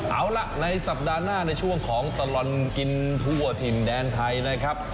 เอาล่ะในสัปดาห์หน้าในช่วงของตลอดกินทั่วถิ่นแดนไทยนะครับ